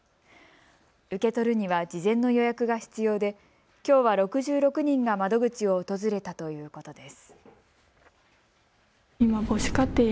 受け取るには事前の予約が必要できょうは６６人が窓口を訪れたということです。